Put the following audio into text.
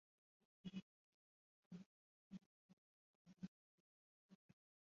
ক্লুনির প্রত্যাশা, লেবানিজ বংশোদ্ভূত ব্রিটিশ আইনজীবী অমলের মতোই সুন্দর হবে তাঁদের সন্তান।